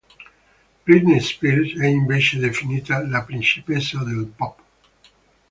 Britney Spears è invece definita la "Principessa del Pop.